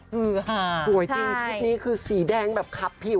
ฮือฮ่าใช่สวยจริงทุกนี้คือสีแดงแบบคับผิว